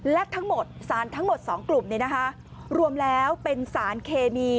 และทั้งหมดสารทั้งหมด๒กลุ่มรวมแล้วเป็นสารเคมี